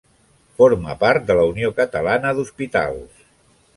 Forma part de la Unió Catalana d'Hospitals.